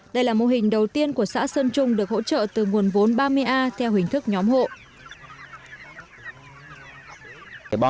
đây là mô hình đầu tiên của xã sơn trung được hỗ trợ từ nguồn vốn ba mươi a theo hình thức nhóm hộ